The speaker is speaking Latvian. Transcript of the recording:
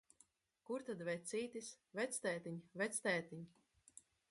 Kur tad vecītis? Vectētiņ, vectētiņ!